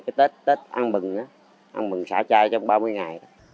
cái tết ăn bừng ăn bừng xả chai trong ba mươi ngày